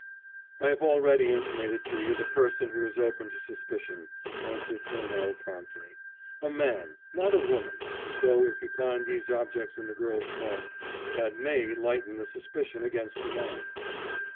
"I have already intimated to you the person who is open to suspicion," answered Furneaux promptly, "a man, not a woman though, if you find these objects in the girl's trunk, that may lighten the suspicion against the man."